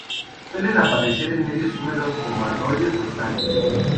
Suelen aparecer en medios húmedos como arroyos o estanques.